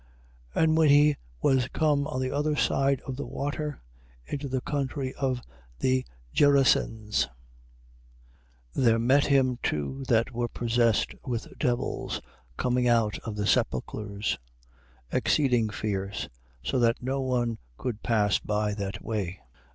8:28. And when he was come on the other side of the water, into the country of the Gerasens, there met him two that were possessed with devils, coming out of the sepulchres, exceeding fierce, so that none could pass by that way.